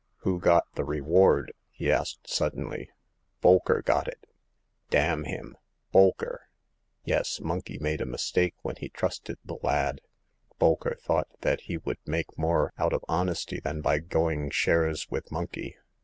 Who got the reward ?'' he asked suddenly. '' Bolker got it." '' D n him ! Bolker !" Yes. Monkey made a mistake when he trusted the lad. Bolker thought that he would make more out of honesty than by going shares with Monkey.